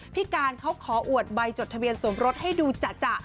พี่การเขาขออวดใบจดทะเบียนสมรสให้ดูจะ